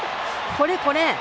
これこれ！